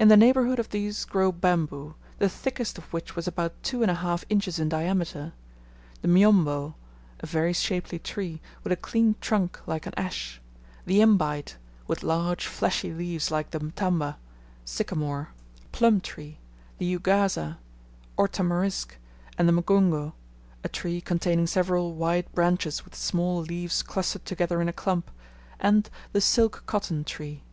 In the neighbourhood of these grow bamboo, the thickest of which was about two and a half inches in diameter; the "myombo," a very shapely tree, with a clean trunk like an ash, the "imbite," with large, fleshy leaves like the "mtamba," sycamore, plum tree, the "ugaza," ortamarisk, and the "mgungu," a tree containing several wide branches with small leaves clustered together in a clump, and the silk cotton tree.